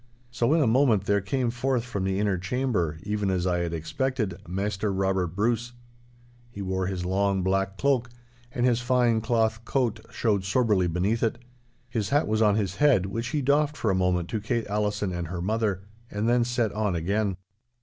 So in a moment there came forth from the inner chamber, even as I had expected, Maister Robert Bruce. He wore his long, black cloak, and his fine, cloth coat showed soberly beneath it. His hat was on his head, which he doffed for a moment to Kate Allison and her mother, and then set on again.